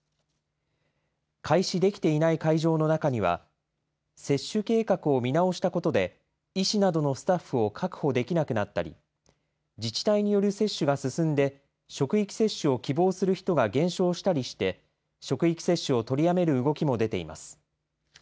開始できていない会場の中には、接種計画を見直したことで、医師などのスタッフを確保できなくなったり、自治体による接種が進んで、職域接種を希望する人が減少したりして、職域接種を取りやめる動きも出ています。